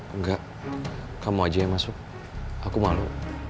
enggak kamu aja yang masuk aku malu